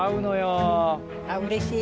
あっうれしい。